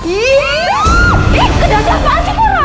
ih kedajah apaan sih kok rambut